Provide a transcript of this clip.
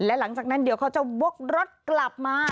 และหลังจากนั้นเดี๋ยวเขาจะวกรถกลับมา